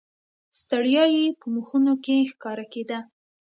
ستړیا یې په مخونو کې ښکاره کېده.